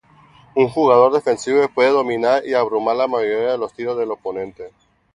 Un jugador defensivo puede dominar y abrumar la mayoría de los tiros del oponente.